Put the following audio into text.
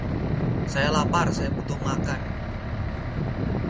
The music box also plays it over the credits.